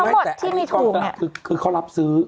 เนี้ยทั้งหมดที่มีถูกเนี้ยอ๋อไม่แต่อันนี้ก็คือเขารับซื้อ